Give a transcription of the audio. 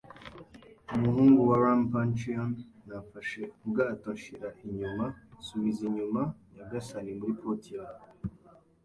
umuhungu wa rum-puncheon nafashe ubwato nshira inyuma - subiza inyuma, nyagasani, muri Port ya